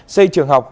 xây trường học